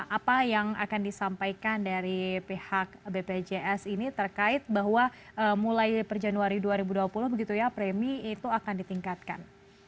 apa yang akan disampaikan dari pihak bpjs ini terkait bahwa mulai per januari dua ribu dua puluh begitu ya premi itu akan ditingkatkan